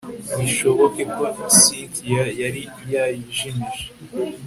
bishoboke ko cyntia yari yayijimije